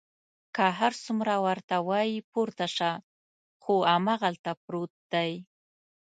که هر څومره ورته وایي پورته شه، خو هماغلته پروت دی.